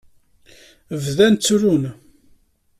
Bdan ttrun.